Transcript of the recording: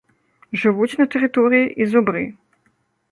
Жывуць на тэрыторыі і зубры.